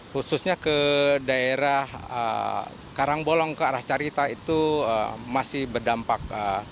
khususnya ke daerah karangbolong ke arah carita itu masih berdampak